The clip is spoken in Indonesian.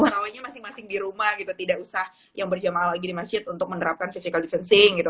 tarawehnya masing masing di rumah gitu tidak usah yang berjamaah lagi di masjid untuk menerapkan physical distancing gitu